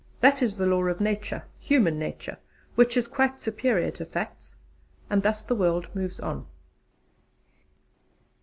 That is a law of nature human nature which is quite superior to facts; and thus the world moves on.